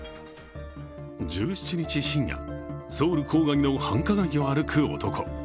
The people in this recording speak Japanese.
１７日深夜、ソウル郊外の繁華街を歩く男。